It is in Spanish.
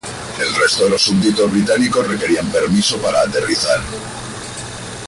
El resto de los súbditos británicos requerían permiso para aterrizar.